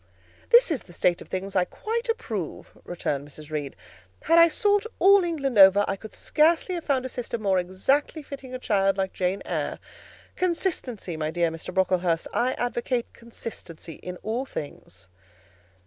'" "This is the state of things I quite approve," returned Mrs. Reed; "had I sought all England over, I could scarcely have found a system more exactly fitting a child like Jane Eyre. Consistency, my dear Mr. Brocklehurst; I advocate consistency in all things."